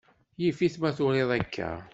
Yif-it ma turiḍ akka.